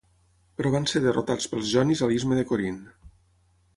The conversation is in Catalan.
Però van ser derrotats pels jonis a l'istme de Corint.